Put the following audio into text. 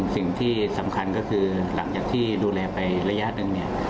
สิ่งที่สำคัญก็คือหลังจากที่ดูแลไประยะหนึ่งเนี่ย